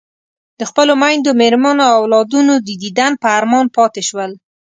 د خپلو میندو، مېرمنو او اولادونو د دیدن په ارمان پاتې شول.